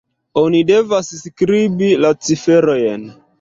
Oni devas skribi la ciferojn